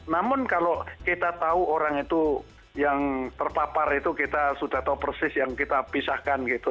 namun kalau kita tahu orang itu yang terpapar itu kita sudah tahu persis yang kita pisahkan gitu